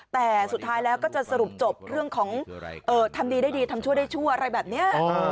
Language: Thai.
แต่สุดท้ายแล้วก็จะสรุปจบเรื่องของทำดีได้ดีทำชั่วได้ชั่วอะไรแบบนี้